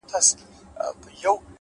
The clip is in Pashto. د تمرکز ځواک ذهن واحد هدف ته بیایي.!